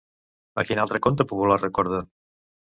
A quin altre conte popular recorda?